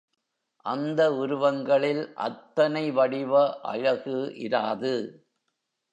அந்த உருவங்களில் அத்தனை வடிவ அழகு இராது.